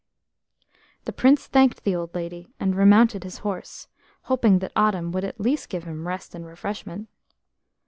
The Prince thanked the old lady, and remounted his horse, hoping that Autumn would at least give him rest and refreshment.